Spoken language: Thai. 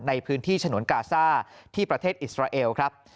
ในพื้นที่ฉนวนกาซ่าที่ประเทศอิสราเอลครับ